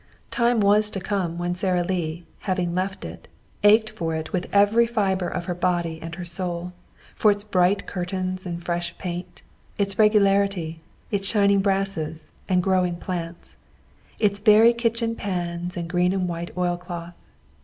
Time was to come when Sara Lee, having left it, ached for it with every fiber of her body and her soul for its bright curtains and fresh paint, its regularity, its shining brasses and growing plants, its very kitchen pans and green and white oilcloth.